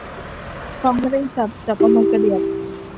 ฟังไม่ได้ศัพท์ จับเอามากระเดียด